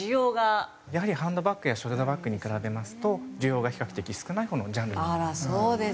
やはりハンドバッグやショルダーバッグに比べますと需要が比較的少ないほうのジャンルになります。